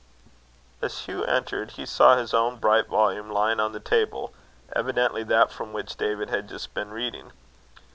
As Hugh entered, he saw his own bright volume lying on the table, evidently that from which David had just been reading.